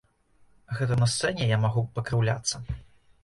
Гэта на сцэне я магу пакрыўляцца.